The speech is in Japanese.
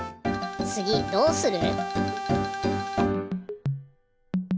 つぎどうする？